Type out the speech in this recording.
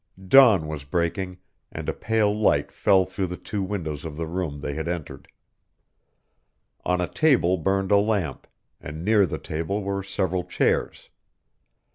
Dawn was breaking, and a pale light fell through the two windows of the room they had entered. On a table burned a lamp, and near the table were several chairs.